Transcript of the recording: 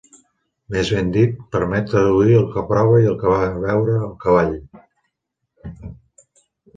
Més ben dit, permet traduir el que prova i el que va veure el cavall.